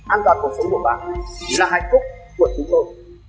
an toàn cuộc sống của bạn là hạnh phúc của chúng tôi